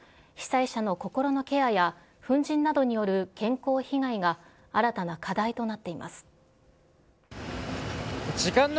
被災地では復旧作業が進む一方、被災者の心のケアや粉じんなどによる健康被害が新たな課題となっています。